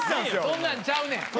そんなんちゃうねん。